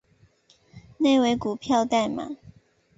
内为股票代码